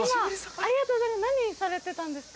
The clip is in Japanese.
ありがとうございます。